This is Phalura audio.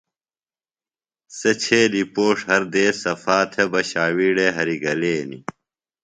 سےۡ چھیلیۡ پوݜ ہر دیس صفا تھےۡ بہ ݜاوِیڑے ہریۡ گلینیۡ۔